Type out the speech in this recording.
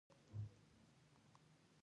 ما وویل چې شاید دا کومه ناروغي وي.